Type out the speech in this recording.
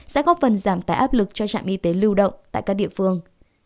sẽ góp phần giảm tải áp lực cho trạm y tế lưu động tại các địa phương